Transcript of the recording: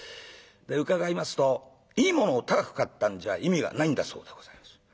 で伺いますといいものを高く買ったんじゃ意味がないんだそうでございます。